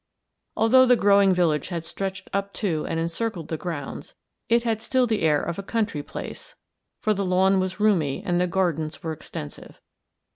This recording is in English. Although the growing village had stretched up to and encircled the grounds, it had still the air of a country place, for the lawn was roomy and the gardens were extensive.